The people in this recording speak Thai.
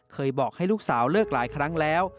บอกให้ลูกสาวเลิกหลายครั้งแล้ว